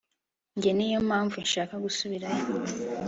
Njye niyo mpamvu nshaka gusubirayo